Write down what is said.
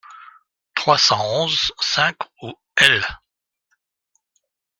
trois cent onze-cinq ou L.